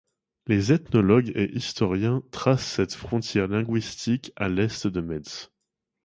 Les ethnologues et historiens tracent cette frontière linguistique à à l'est de Metz.